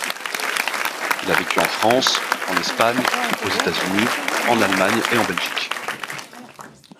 Il a vécu en France, en Espagne, aux États-Unis, en Allemagne et en Belgique.